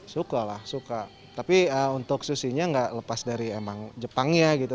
suka lah suka tapi untuk sushinya nggak lepas dari emang jepangnya gitu